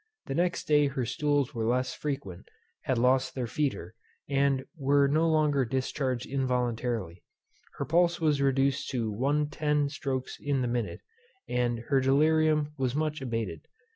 The next day her stools were less frequent, had lost their foetor, and were no longer discharged involuntarily; her pulse was reduced to 110 strokes in the minute; and her delirium was much abated.